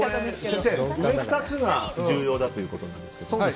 先生、上２つが重要だということですけど。